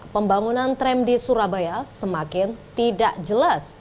pembangunan tram di surabaya semakin tidak jelas